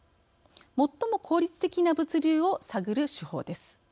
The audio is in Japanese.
最も効率的な物流を探る手法です。